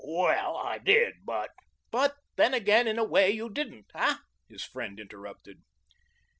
"Well, I did, but " "But, then again, in a way, you didn't, hey?" his friend interrupted.